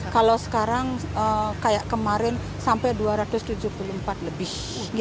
kalau sekarang kayak kemarin sampai dua ratus tujuh puluh empat lebih